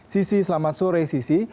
sisi selamat sore sisi